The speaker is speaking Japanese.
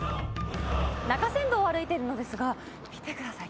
中山道を歩いているのですが、見てください。